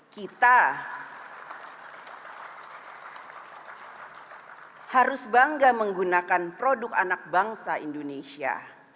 kita harus bangga menggunakan produk anak bangsa indonesia